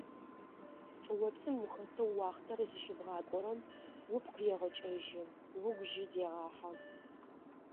ЧӀыопсым ухэтэу уахътэр зыщыбгъакӏорэм упкъ егъэкӀэжьы, угу жьы дегъэхьэ.